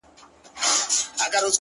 • ساقي خراب تراب مي کړه نڅېږم به زه؛